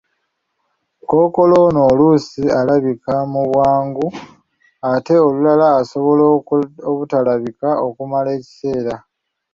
Kookolo ono oluusi alabika mu bwangu ate olulala asobola obutalabika okumala ekiseera